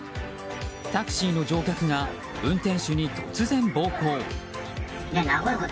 タクシーの乗客が運転手に突然、暴行。